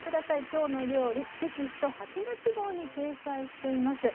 「きょうの料理」テキスト８月号に掲載しています。